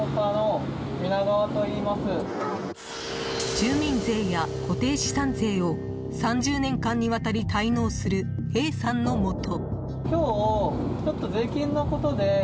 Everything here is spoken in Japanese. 住民税や固定資産税を３０年間にわたり滞納するＡさんのもと。